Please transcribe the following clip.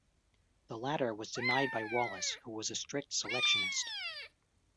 The latter was denied by Wallace who was a strict selectionist.